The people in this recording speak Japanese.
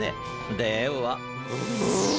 では。